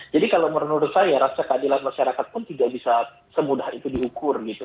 jadi kalau menurut saya rasa keadilan masyarakat pun tidak bisa semudah itu diukur gitu